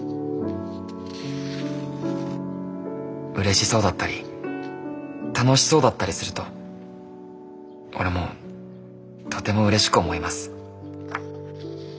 「嬉しそうだったり楽しそうだったりすると俺もとても嬉しく思います」。